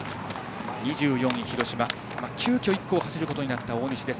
２４位、広島急きょ１区を走ることになった大西です。